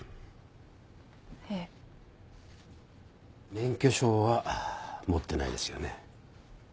免許証は持ってないですよね？